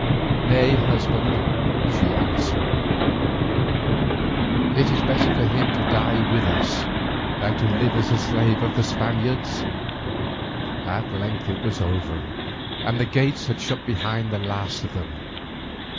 "Nay, husband," she answered, "it is better for him to die with us, than to live as a slave of the Spaniards." At length it was over and the gates had shut behind the last of them.